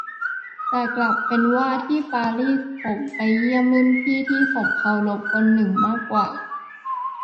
แต่กลับเป็นว่าที่ปารีสผมอยากไปเยี่ยมรุ่นพี่ที่ผมเคารพคนหนึ่งมากกว่า